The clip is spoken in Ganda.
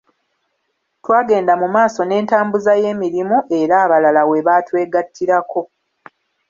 Twagenda mu maaso n'entambuza y'emirimu era abalala we batwegattirako.